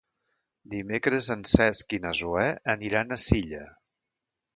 Dimecres en Cesc i na Zoè aniran a Silla.